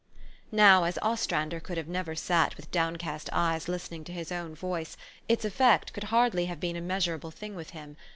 Now, as Ostrander could never have sat with downcast eyes listening to his own voice, its effect could hardly have been a measurable thing with him.